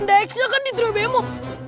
deksa kan di drobemo